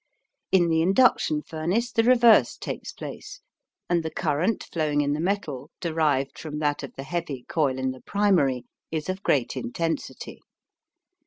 In the induction furnace the reverse takes place and the current flowing in the metal derived from that of the heavy coil in the primary is of great intensity.